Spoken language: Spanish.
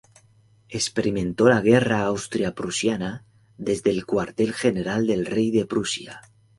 Experimentó la Guerra austro-prusiana desde el cuartel general del rey de Prusia.